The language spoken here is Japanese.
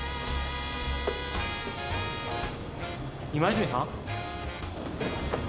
今泉さん？